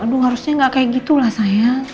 aduh harusnya gak kayak gitu lah sayang